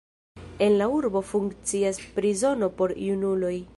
En la urbo funkcias prizono por junuloj.